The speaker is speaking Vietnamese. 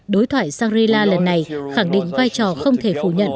đối thoại sang lê la lần này khẳng định vai trò không thể phủ nhận